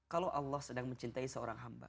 kalau allah sedang mencintai seorang hamba